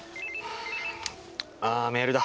あメールだ。